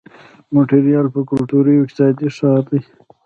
مونټریال یو کلتوري او اقتصادي ښار دی.